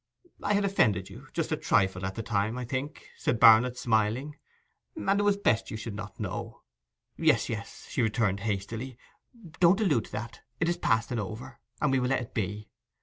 'I had offended you—just a trifle—at the time, I think?' said Barnet, smiling, 'and it was best that you should not know.' 'Yes, yes,' she returned hastily. 'Don't allude to that; it is past and over, and we will let it be.